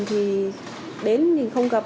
thì đến mình không gặp